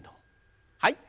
はい。